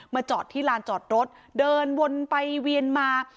จอดที่ลานจอดรถเดินวนไปเวียนมา